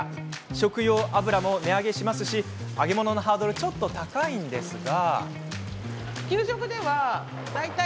食用油も値上げしますし揚げ物のハードルってちょっと高いんですが。